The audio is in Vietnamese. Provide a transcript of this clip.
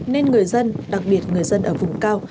nên người dân đặc biệt người dân ở vùng cao